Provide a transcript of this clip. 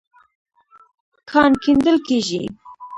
کان کيندل کېږي.